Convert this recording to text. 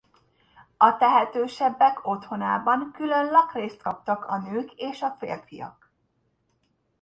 A tehetősebbek otthonában külön lakrészt kaptak a nők és a férfiak.